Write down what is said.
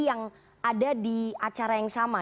yang ada di acara yang sama